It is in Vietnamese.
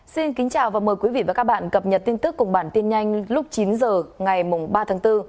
xin kính chào và mời quý vị và các bạn cập nhật tin tức cùng bản tin nhanh lúc chín h ngày ba tháng bốn